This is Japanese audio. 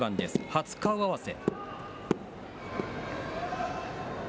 初顔合わせ。